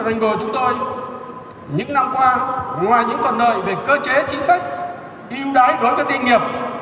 ngoài những tuần đợi về cơ chế chính sách ưu đáy đối với doanh nghiệp